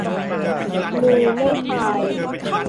มือไม่พาย